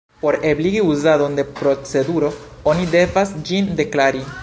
Por ebligi uzadon de proceduro oni devas ĝin "deklari".